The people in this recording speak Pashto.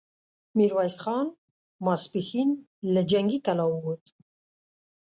ميرويس خان ماسپښين له جنګي کلا ووت،